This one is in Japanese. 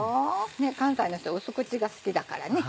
関西の人淡口が好きだからね